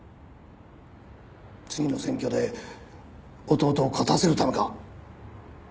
次の選挙で弟を勝たせるためか？